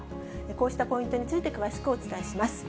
こうしたポイントについて詳しくお伝えします。